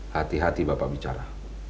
hati hati bapak bicara